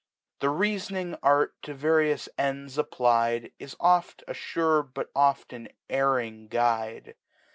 The reas'nine Art to various Endsapply'dj Is feft a fure, tfut 6ft an erring Guide.